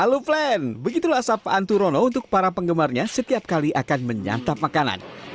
halo flen begitulah asapan turono untuk para penggemarnya setiap kali akan menyantap makanan